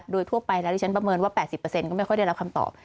โดยทั่วไปแล้วที่ฉันประเมินว่า๘๐ก็ไม่ค่อยได้รับคำตอบ